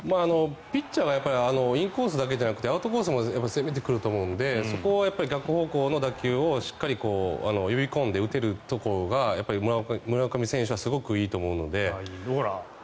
ピッチャーはインコースだけじゃなくてアウトコースも攻めてくると思うのでそこを逆方向の打球をしっかり呼び込んで打てるところが村上選手はすごくいいと思うので。